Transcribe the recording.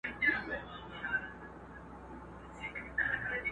له سدیو دا یوه خبره کېږي.!